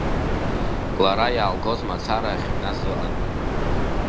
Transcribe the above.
Лара иаалгоз мацара ахьыҩназ ыҟан.